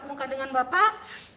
muka dengan bapak